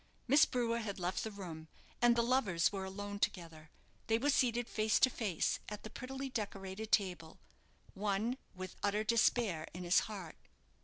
Miss Brewer had left the room, and the lovers were alone together. They were seated face to face at the prettily decorated table one with utter despair in his heart.